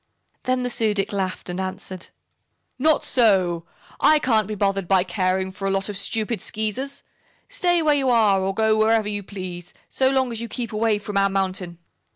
Then the Su dic laughed and answered: "Not so. I can't be bothered by caring for a lot of stupid Skeezers. Stay where you are, or go wherever you please, so long as you keep away from our mountain."